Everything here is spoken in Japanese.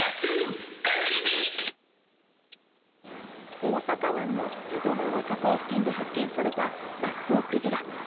大阪湾の淀川河口付近で発見されたマッコウクジラ。